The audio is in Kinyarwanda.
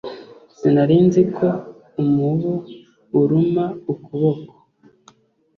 Sinari nzi ko umubu uruma ukuboko.